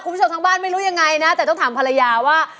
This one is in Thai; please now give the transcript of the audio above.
คุณผู้ชมทางบ้านไม่รู้ยังไงนะแต่ต้องถามภรรยาว่า